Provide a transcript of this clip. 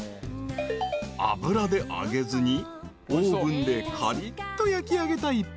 ［油で揚げずにオーブンでかりっと焼きあげた一品］